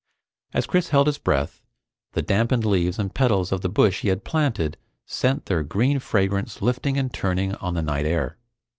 As Chris held his breath, the dampened leaves and petals of the bush he had planted sent their green fragrance lifting and turning on the night air.